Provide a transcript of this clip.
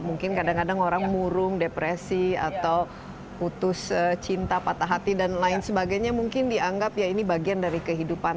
mungkin kadang kadang orang murung depresi atau putus cinta patah hati dan lain sebagainya mungkin dianggap ya ini bagian dari kehidupan